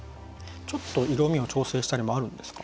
ちょっと色味は調整したりもあるんですか？